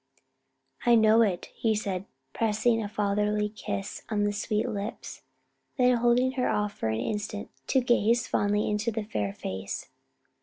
"I know it," he said, pressing a fatherly kiss on the sweet lips, then holding her off for an instant to gaze fondly into the fair face.